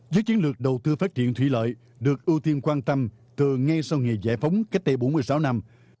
với chiến lược đầu tư phát triển thủy lợi được ưu tiên quan tâm từ ngay sau nghiệt giải phóng cách đây bốn mươi sáu năm